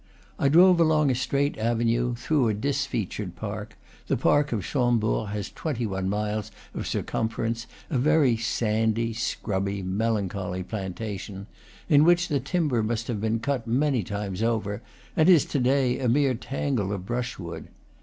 I drove along a straight avenue, through a disfeatured park, the park of Chambord has twenty one miles of circumference, a very sandy, scrubby, melancholy plantation, in which the timber must have been cut many times over and is to day a mere tangle of brushwood.